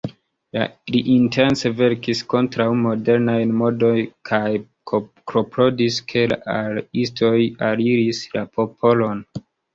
Li intence verkis kontraŭ modernaj modoj kaj klopodis ke la artistoj aliris la popolon.